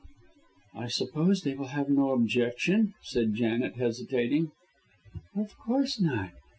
"I suppose they will have no objection?" said Janet, hesitating. "Of course not.